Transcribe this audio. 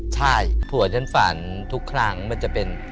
ใช่ผัวฉันฝันทุกครั้งมันจะเป็น